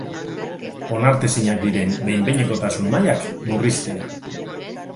Onartezinak diren behin-behinekotasun mailak murriztea.